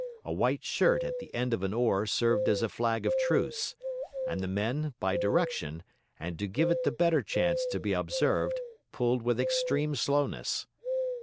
A white shirt at the end of an oar served as a flag of truce; and the men, by direction, and to give it the better chance to be observed, pulled with extreme slowness.